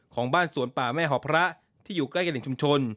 ของบ้านสวนป่าแม่หอพระที่อยู่ใกล้กับแหล่งชุมชน